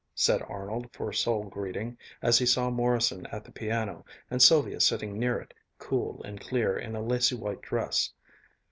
said Arnold for sole greeting, as he saw Morrison at the piano and Sylvia sitting near it, cool and clear in a lacy white dress.